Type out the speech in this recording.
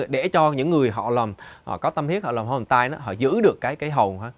để cho những người họ có tâm thiết họ làm hồn tay họ giữ được cái hồn